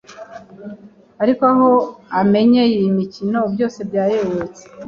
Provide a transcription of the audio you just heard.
ariko aho amenyeye iyi mikino byose byayoyotse.